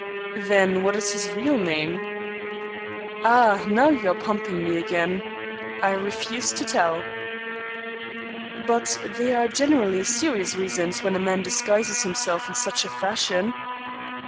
"Then what is his real name?" "Ah, now you are pumping me again. I refuse to tell." "But there are generally serious reasons when a man disguises himself in such fashion."